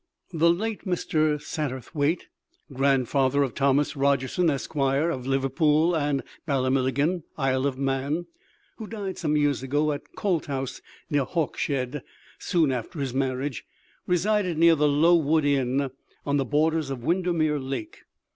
The late Mr. Satterthwaite, grandfather of Thomas Rogerson, Esq., of Liverpool and Ballamillaghyn, Isle of Man, who died some years ago at Coulthouse, near Hawkshead, soon after his marriage, resided near the Low Wood Inn, on the borders of Windermere Lake.